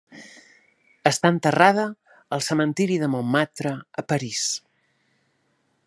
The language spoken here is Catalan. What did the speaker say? Està enterrada al cementiri de Montmartre, a París.